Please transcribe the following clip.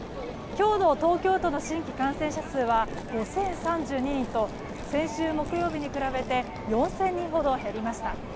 今日の東京都の新規感染者数は５０３２人と先週木曜日に比べて４０００人ほど減りました。